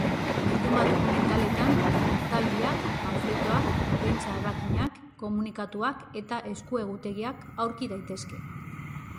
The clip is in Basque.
Bilduma dokumentaletan oktabilak, panfletoak, prentsa ebakinak, komunikatuak eta esku-egutegiak aurki daitezke.